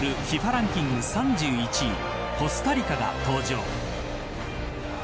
ランキング３１位コスタリカが登場。